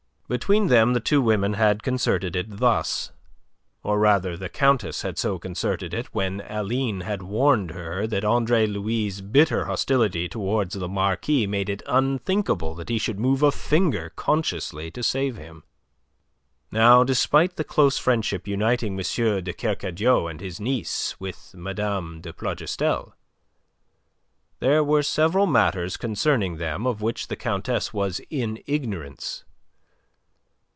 Between them the two women had concerted it thus, or rather the Countess had so concerted it when Aline had warned her that Andre Louis' bitter hostility towards the Marquis made it unthinkable that he should move a finger consciously to save him. Now despite the close friendship uniting M. de Kercadiou and his niece with Mme. de Plougastel, there were several matters concerning them of which the Countess was in ignorance.